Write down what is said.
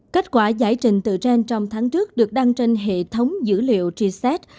kết quả giải trình tựa trên trong tháng trước được đăng trên hệ thống dữ liệu g sat